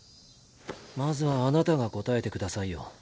まずはあなたが答えてくださいよ。